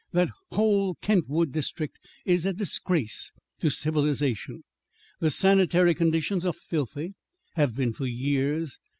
That whole Kentwood district is a disgrace to civilization. The sanitary conditions are filthy; have been for years.